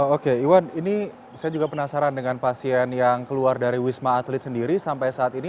oke iwan ini saya juga penasaran dengan pasien yang keluar dari wisma atlet sendiri sampai saat ini